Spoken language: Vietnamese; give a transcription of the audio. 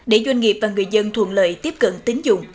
để doanh nghiệp và người dân thuận lợi tiếp cận tín dụng